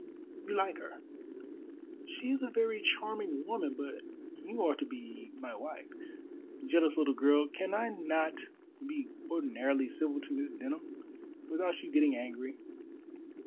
"You like her." "She is a very charming woman, but you are to be my wife. Jealous little girl, can I not be ordinarily civil to Miss Denham without you getting angry?"